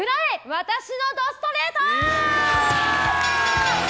私の怒ストレート。